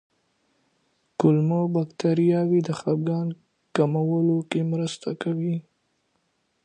کولمو بکتریاوې د خپګان د کمولو کې مرسته کوي.